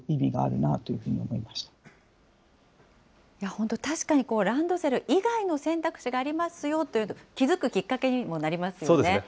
本当、確かにランドセル以外の選択肢がありますよというのに気付くきっそうですね。